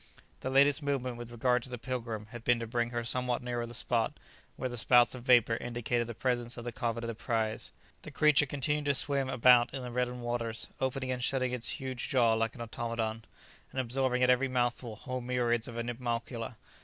The latest movement with regard to the "Pilgrim" had been to bring her somewhat nearer the spot where the spouts of vapour indicated the presence of the coveted prize. The creature continued to swim about in the reddened waters, opening and shutting its huge jaws like an automaton, and absorbing at every mouthful whole myriads of animalcula.